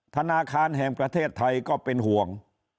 ธนาคารแห่งประเทศไทยก็เป็นห่วง